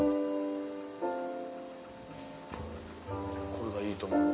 これが『いいとも！』の？